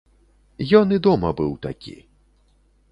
Ён і дома быў такі.